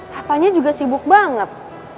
papanya juga sibuk banget